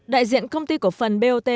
đại diện công ty cổ phần bot